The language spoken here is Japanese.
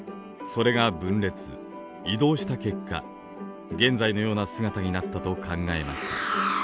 それが分裂移動した結果現在のような姿になったと考えました。